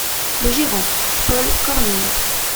Le Gérant : Paul Cornille.